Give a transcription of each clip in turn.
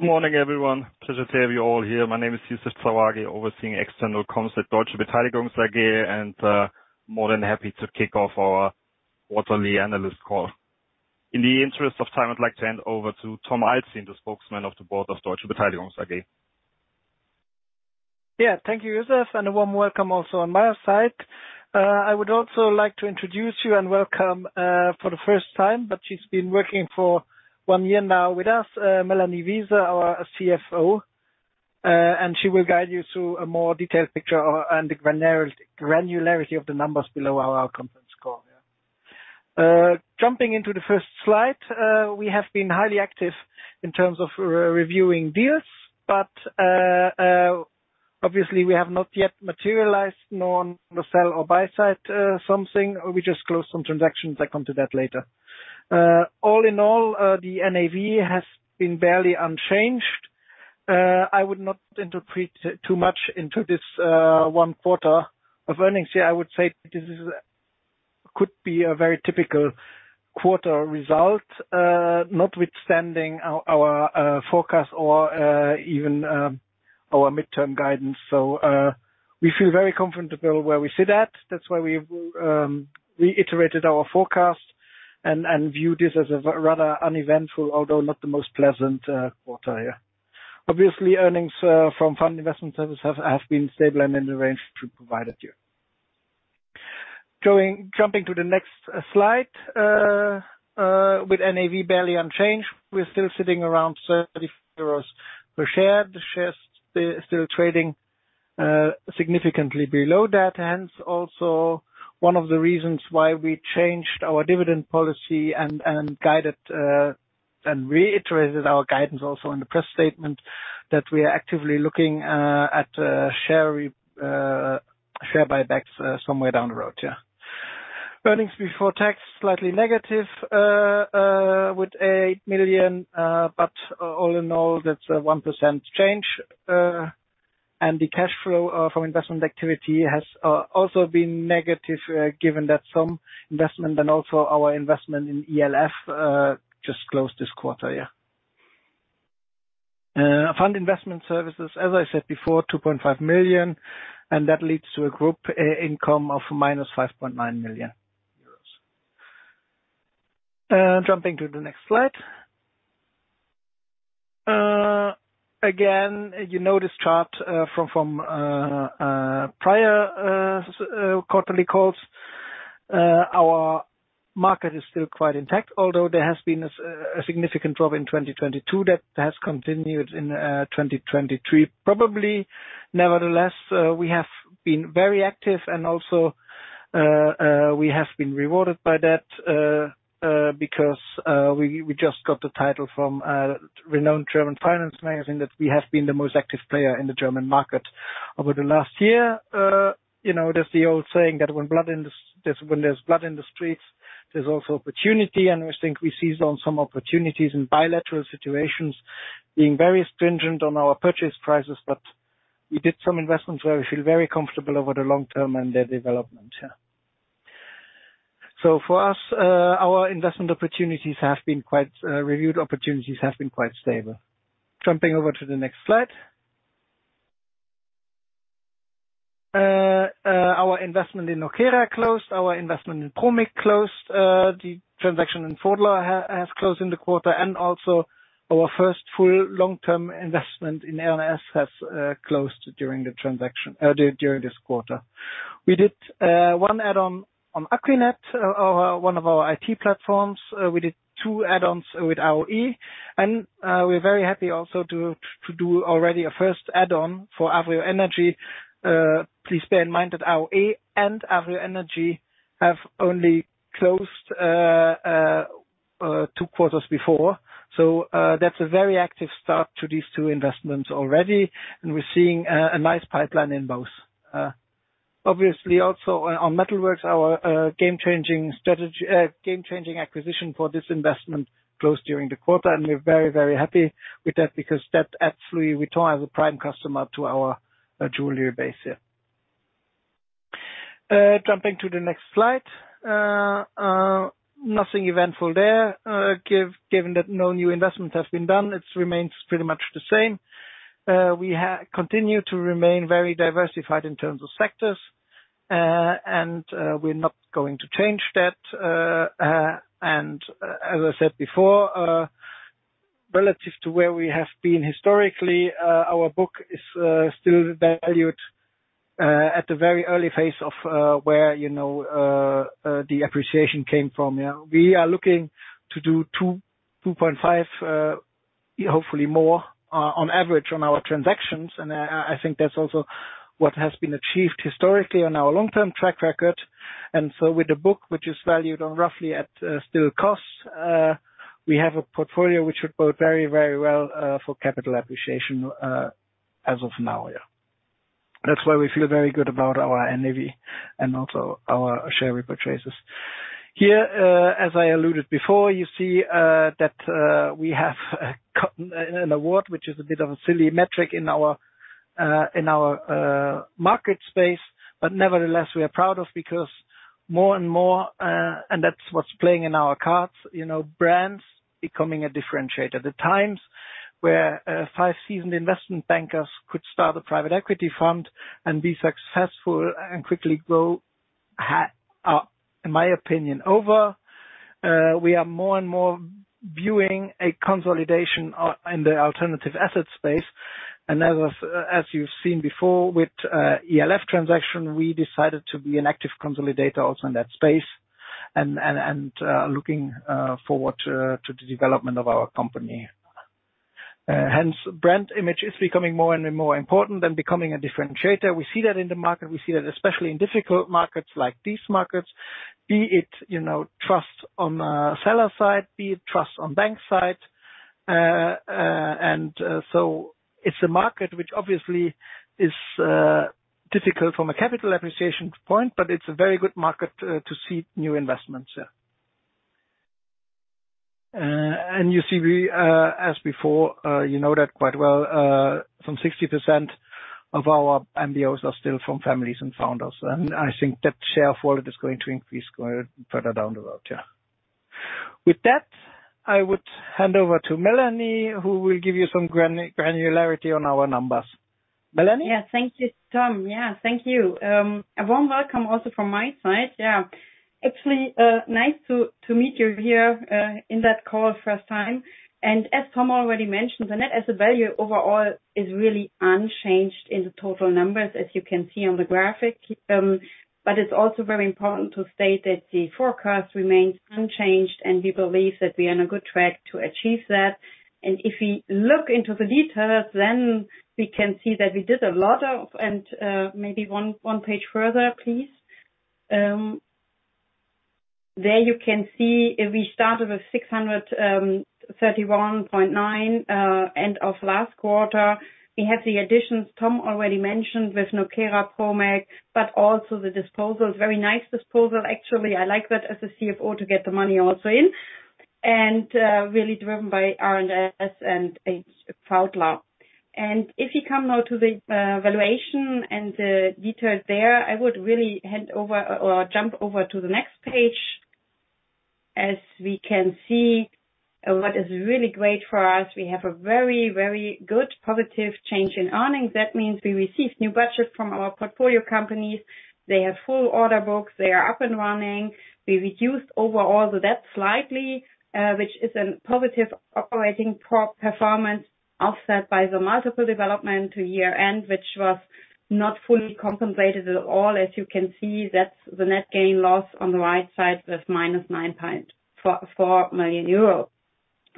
Good morning, everyone. Pleasure to have you all here. My name is Youssef Zauaghi, overseeing External Comms at Deutsche Beteiligungs AG, and more than happy to kick off our quarterly analyst call. In the interest of time, I'd like to hand over to Tom Alzin, the Spokesman of the Board of Deutsche Beteiligungs AG. Yeah. Thank you, Youssef, and a warm welcome also on my side. I would also like to introduce you and welcome, for the first time, but she's been working for one year now with us, Melanie Wiese, our CFO. She will guide you through a more detailed picture and the granularity of the numbers below our conference call, yeah. Jumping into the first slide, we have been highly active in terms of re-reviewing deals, but, obviously, we have not yet materialized nor on the sell or buy side, something. We just closed some transactions. I come to that later. All in all, the NAV has been barely unchanged. I would not interpret too much into this, one quarter of earnings. I would say this could be a very typical quarter result, notwithstanding our forecast or even our midterm guidance. We feel very comfortable where we sit at. That's why we've reiterated our forecast and view this as a rather uneventful, although not the most pleasant, quarter. Obviously, earnings from fund investment services have been stable and in the range we provided you. Jumping to the next slide, with NAV barely unchanged, we're still sitting around 30 euros per share. The share still trading significantly below that, hence also one of the reasons why we changed our dividend policy and guided and reiterated our guidance also in the press statement that we are actively looking at share buybacks somewhere down the road. Earnings before tax, slightly negative, with 8 million, but all in all, that's a 1% change. The cash flow from investment activity has also been negative, given that some investment and also our investment in ELF just closed this quarter. Yeah. Fund investment services, as I said before, 2.5 million, and that leads to a group income of minus 5.9 million euros. Jumping to the next slide. Again, you know this chart from prior quarterly calls. Our market is still quite intact, although there has been a significant drop in 2022 that has continued in 2023. Probably, nevertheless, we have been very active and also, we have been rewarded by that, because we just got the title from a renowned German finance magazine that we have been the most active player in the German market over the last year. You know, there's the old saying that when blood in the streets, there's also opportunity, and we think we seized on some opportunities in bilateral situations, being very stringent on our purchase prices. We did some investments where we feel very comfortable over the long term and their development. For us, our investment opportunities have been quite, reviewed opportunities have been quite stable. Jumping over to the next slide. Our investment in NOKERA closed, our investment in ProMik closed. The transaction in Pfaudler has closed in the quarter, also our first full long-term investment in LNS has closed during this quarter. We did one add-on on akquinet, one of our IT platforms. We did two add-ons with RWE, we're very happy also to do already a first add-on for Avrio Energie. Please bear in mind that RWE and Avrio Energie have only closed two quarters before. That's a very active start to these two investments already, we're seeing a nice pipeline in both. Obviously, also on Metalworks, our game-changing acquisition for this investment closed during the quarter, we're very happy with that because that absolutely return as a prime customer to our jeweler base here. Jumping to the next slide. Nothing eventful there. Given that no new investment has been done, it remains pretty much the same. We continue to remain very diversified in terms of sectors, and we're not going to change that. As I said before, relative to where we have been historically, our book is still valued at the very early phase of where, you know, the appreciation came from. We are looking to do 2.5, hopefully more, on average on our transactions. I think that's also what has been achieved historically on our long-term track record. With the book, which is valued on roughly at still cost, we have a portfolio which would bode very, very well for capital appreciation as of now. That's why we feel very good about our NAV and also our share repurchases. Here, as I alluded before, you see that we have gotten an award which is a bit of a silly metric in our in our market space, but nevertheless, we are proud of. More and more, and that's what's playing in our cards, you know, brands becoming a differentiator. The times where five seasoned investment bankers could start a private equity fund and be successful and quickly grow are, in my opinion, over. We are more and more viewing a consolidation in the alternative asset space. As you've seen before with ELF transaction, we decided to be an active consolidator also in that space and looking forward to the development of our company. Hence, brand image is becoming more and more important and becoming a differentiator. We see that in the market. We see that especially in difficult markets like these markets, be it, you know, trust on the seller side, be it trust on bank side. So it's a market which obviously is difficult from a capital appreciation point, but it's a very good market to seed new investments, yeah. You see, we, as before, you know that quite well, some 60% of our MBOs are still from families and founders. I think that share forward is going to increase going further down the road, yeah. With that, I would hand over to Melanie, who will give you some granularity on our numbers. Melanie? Thank you, Tom. Thank you. A warm welcome also from my side. Actually, nice to meet you here in that call first time. As Tom already mentioned, the net asset value overall is really unchanged in the total numbers, as you can see on the graphic. It's also very important to state that the forecast remains unchanged. We believe that we are on a good track to achieve that. If we look into the details, then we can see that. Maybe one page further, please. There you can see we started with 631.9 end of last quarter. We have the additions Tom already mentioned with NOKERA, ProMik, also the disposals. Very nice disposal actually. I like that as a CFO to get the money also in. Really driven by R&S and Pfaudler. If you come now to the valuation and the details there, I would really hand over or jump over to the next page. As we can see, what is really great for us, we have a very, very good positive change in earnings. That means we received new budgets from our portfolio companies. They have full order books. They are up and running. We reduced overall the debt slightly, which is a positive operating performance offset by the multiple development to year-end, which was not fully compensated at all. As you can see, that's the net gain/loss on the right side with minus 9.44 million euros.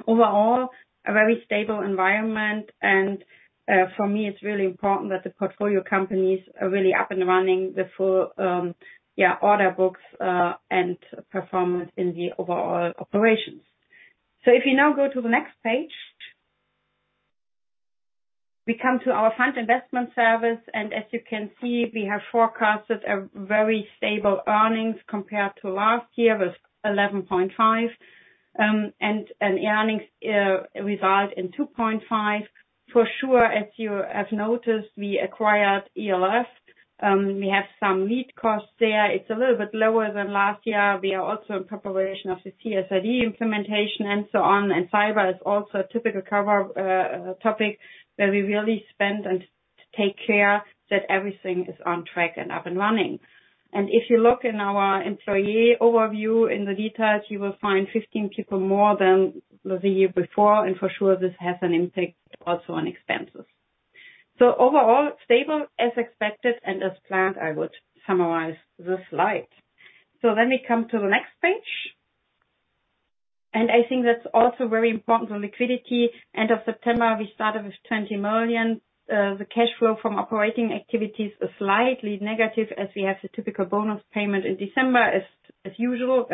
Overall, a very stable environment and for me, it's really important that the portfolio companies are really up and running with full order books and performance in the overall operations. If you now go to the next page, we come to our fund investment service, and as you can see, we have forecasted a very stable earnings compared to last year with 11.5 and earnings result in 2.5. For sure, as you have noticed, we acquired ELF. We have some lead costs there. It's a little bit lower than last year. We are also in preparation of the CSRD implementation and so on, and cyber is also a typical cover topic where we really spend and take care that everything is on track and up and running. If you look in our employee overview in the details, you will find 15 people more than the year before. For sure, this has an impact also on expenses. Overall, stable as expected and as planned, I would summarize the slide. Let me come to the next page. I think that's also very important, the liquidity. End of September, we started with 20 million. The cash flow from operating activities are slightly negative as we have the typical bonus payment in December as usual.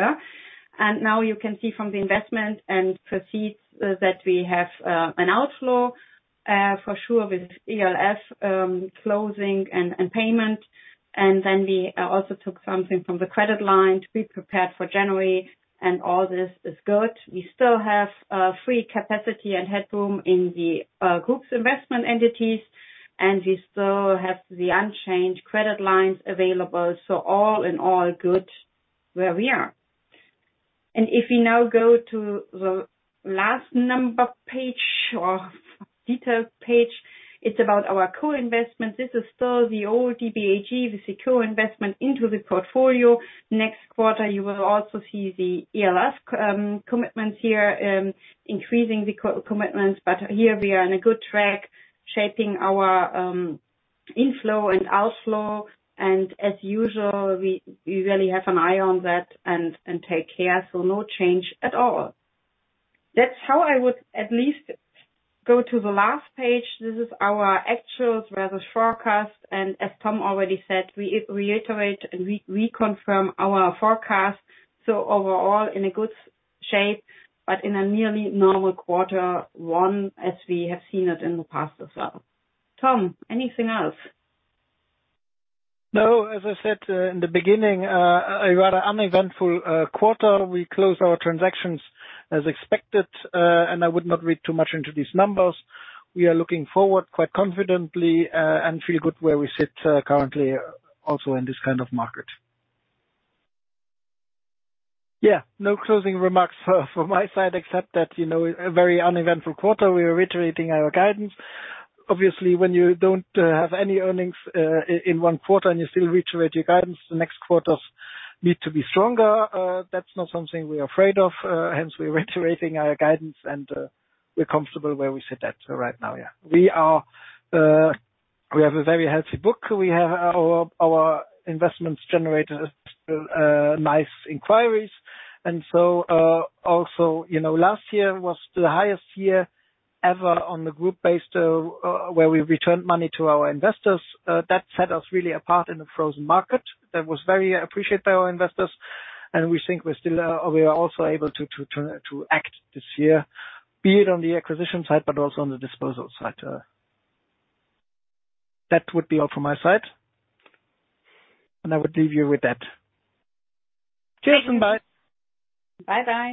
Now you can see from the investment and proceeds that we have an outflow for sure with ELF Capital Group closing and payment. We also took something from the credit line to be prepared for January. All this is good. We still have free capacity and headroom in the group's investment entities, and we still have the unchanged credit lines available. All in all, good where we are. If you now go to the last number page or details page, it's about our co-investment. This is still the old DBAG with the co-investment into the portfolio. Next quarter, you will also see the ELF commitments here increasing the co-commitments. Here we are on a good track shaping our inflow and outflow. As usual, we really have an eye on that and take care, so no change at all. That's how I would at least go to the last page. This is our actual versus forecast. As Tom already said, we reiterate and reconfirm our forecast. Overall, in a good shape, but in a nearly normal quarter one as we have seen it in the past as well. Tom, anything else? No. As I said, in the beginning, a rather uneventful quarter. We closed our transactions as expected, and I would not read too much into these numbers. We are looking forward quite confidently, and feel good where we sit currently also in this kind of market. Yeah. No closing remarks from my side except that, you know, a very uneventful quarter. We are reiterating our guidance. Obviously, when you don't have any earnings in one quarter and you still reiterate your guidance, the next quarters need to be stronger. That's not something we're afraid of, hence we're reiterating our guidance and we're comfortable where we sit at right now. Yeah. We have a very healthy book. We have our investments generated nice inquiries. Also, you know, last year was the highest year ever on the group based, where we returned money to our investors. That set us really apart in a frozen market. That was very appreciated by our investors, and we think we're still, we are also able to act this year, be it on the acquisition side, but also on the disposal side. That would be all from my side, and I would leave you with that. Cheers and bye. Bye-bye.